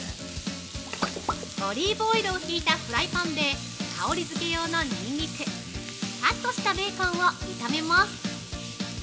オリーブオイルを引いたフライパンで香りつけ用のニンニク、カットしたベーコンを炒めます。